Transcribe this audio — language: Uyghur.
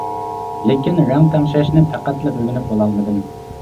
لېكىن رەڭ تەڭشەشنى پەقەتلا ئۆگىنىپ بولالمىدىم.